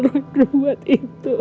lu yang berbuat itu